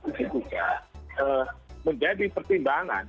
ini juga menjadi pertimbangan